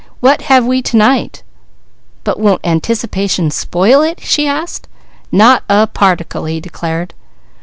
What have we to night?" "But won't anticipation spoil it?" she asked. "Not a particle," he declared.